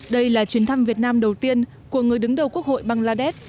đây là chuyến thăm việt nam đầu tiên của người đứng đầu quốc hội bangladesh